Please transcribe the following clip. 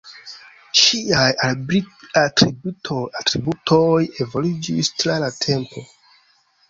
Ŝiaj atributoj evoluiĝis tra la tempo.